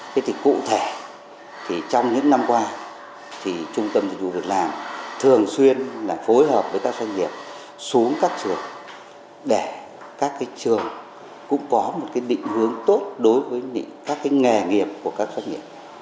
thế thì cụ thể thì trong những năm qua thì trung tâm dịch vụ việc làm thường xuyên là phối hợp với các doanh nghiệp xuống các trường để các cái trường cũng có một cái định hướng tốt đối với các cái nghề nghiệp của các doanh nghiệp